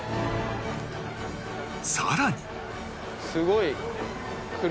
さらに